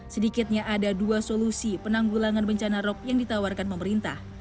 sedikitnya ada dua solusi penanggulangan bencana rop yang ditawarkan pemerintah